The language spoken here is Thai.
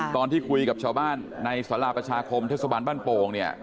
ตอนที่คุยกับชาวบ้านในสาราประชาคมเทศบาลบ้านโป่งเนี่ย